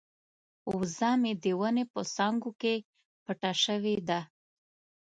وزه مې د ونې په څانګو کې پټه شوې ده.